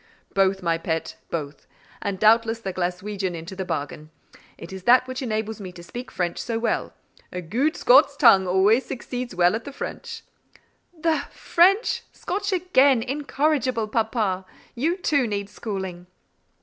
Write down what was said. "Both, my pet, both: and doubtless the Glaswegian into the bargain. It is that which enables me to speak French so well: a gude Scots tongue always succeeds well at the French." "The French! Scotch again: incorrigible papa. You, too, need schooling."